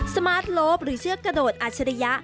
สมาร์ทโลฟหรือเชือกกระโดดอัชริยะ